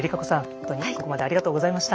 本当にここまでありがとうございました。